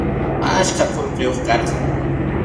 Achka qullqiyuq karqan.